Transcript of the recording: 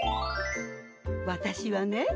私はね